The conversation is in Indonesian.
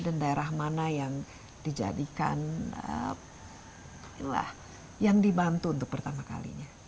dan daerah mana yang dijadikan yang dibantu untuk pertama kalinya